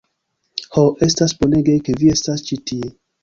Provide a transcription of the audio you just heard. "Ho, estas bonege ke vi estas ĉi tie.